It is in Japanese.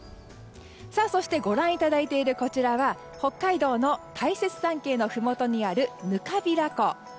そして、ご覧いただいているこちらは北海道の大雪山系のふもとにある糠平湖。